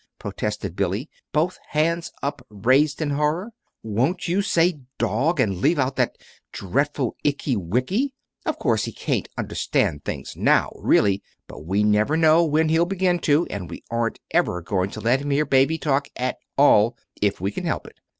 _" protested Billy, both hands upraised in horror. "Won't you say 'dog,' and leave out that dreadful 'ickey wickey'? Of course he can't understand things now, really, but we never know when he'll begin to, and we aren't ever going to let him hear baby talk at all, if we can help it.